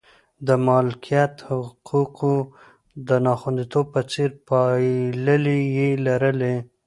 د مالکیت حقوقو د ناخوندیتوب په څېر پایلې یې لرلې.